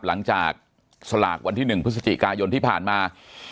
หลังจากสลากวันที่๑พฤศจิกายนที่ผ่านมา